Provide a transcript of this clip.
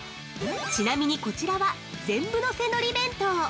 ◆ちなみに、こちらは「全部のせのり弁当」！